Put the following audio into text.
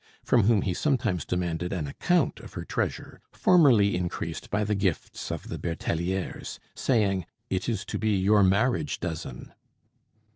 from whom he sometimes demanded an account of her treasure (formerly increased by the gifts of the Bertellieres), saying: "It is to be your marriage dozen."